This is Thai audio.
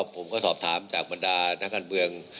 ผมก็สอบถามจากบรรดานักการเมือง